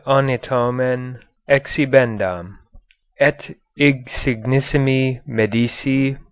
Anatomen . Exhibendam Et . Insignissimi . Medici